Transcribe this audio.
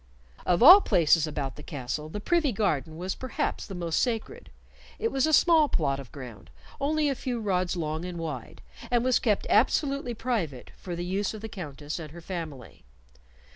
Of all places about the castle the privy garden was perhaps the most sacred. It was a small plot of ground, only a few rods long and wide, and was kept absolutely private for the use of the Countess and her family.